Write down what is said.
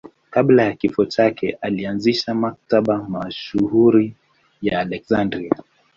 Kabla ya kifo chake alianzisha Maktaba mashuhuri ya Aleksandria.